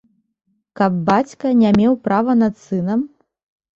Каб бацька не меў права над сынам?!